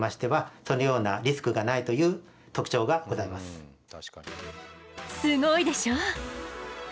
一方すごいでしょ。